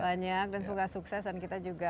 banyak dan semoga sukses dan kita juga